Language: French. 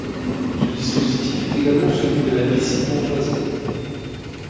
Ce dispositif est également celui de la Piscine Pontoise.